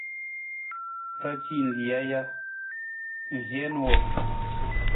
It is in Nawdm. Ra ci lija ja, ng heen wang?